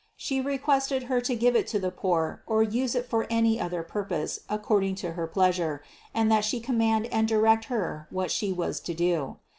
She requested Her to give it to the poor or use it for any other purpose according to her pleasure, and that She command and direct Her what She was to do.